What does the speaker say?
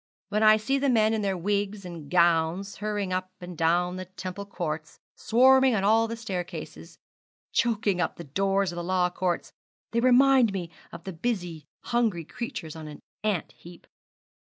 When I see the men in their wigs and gowns, hurrying up and down the Temple courts, swarming on all the staircases, choking up the doors of the law courts, they remind me of the busy, hungry creatures on an ant heap.